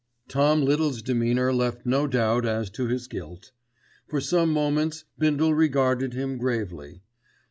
Tom Little's demeanour left no doubt as to his guilt. For some moments Bindle regarded him gravely.